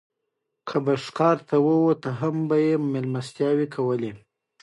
که به ښکار ته ووت هم مېلمستیاوې یې کولې.